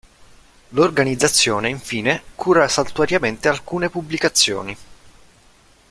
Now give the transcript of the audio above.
L'organizzazione infine cura saltuariamente alcune pubblicazioni.